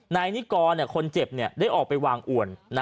นายนิกรเนี่ยคนเจ็บเนี่ยได้ออกไปวางอ่วน